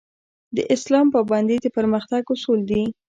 د اسلام پابندي د پرمختګ اصول دي